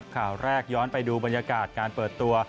ข่าวแรกย้อนไปดูบรรยากาศการเปิดตัว